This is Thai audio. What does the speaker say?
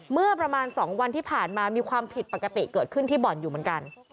เมื่อประมาณ๒วันที่ผ่านมามีความผิดปกติเกิดขึ้นที่บ่อนอยู่เหมือนกัน